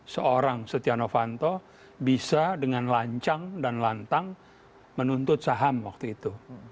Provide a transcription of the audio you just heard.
seorang setia novanto bisa dengan lancang dan lantang menuntut saham waktu itu